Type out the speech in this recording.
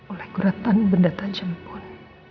oleh kuratan benda tajam pun